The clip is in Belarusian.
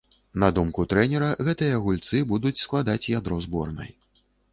На думку трэнера, гэтыя гульцы будуць складаць ядро зборнай.